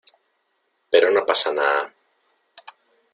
pero no pasa nada.